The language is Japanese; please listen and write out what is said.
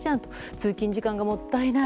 通勤時間がもったいない。